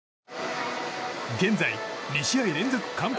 現在、２試合連続完封